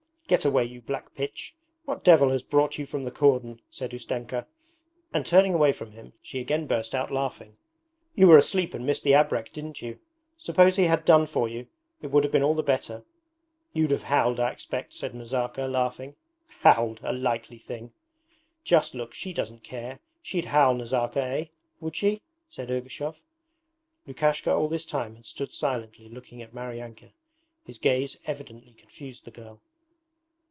'Get away, you black pitch, what devil has brought you from the cordon?' said Ustenka, and turning away from him she again burst out laughing. 'You were asleep and missed the abrek, didn't you? Suppose he had done for you it would have been all the better.' 'You'd have howled, I expect,' said Nazarka, laughing. 'Howled! A likely thing.' 'Just look, she doesn't care. She'd howl, Nazarka, eh? Would she?' said Ergushov. Lukishka all this time had stood silently looking at Maryanka. His gaze evidently confused the girl.